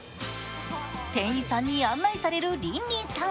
店員さんに案内されるリンリンさん。